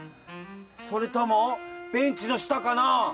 それともベンチのしたかな？